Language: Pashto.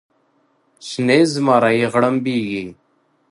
شنې زمرۍ غړمبیږې